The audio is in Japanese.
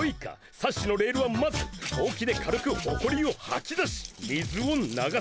サッシのレールはまずほうきで軽くほこりをはきだし水を流す。